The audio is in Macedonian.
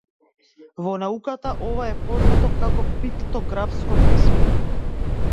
Во науката ова е познато како пиктографско писмо.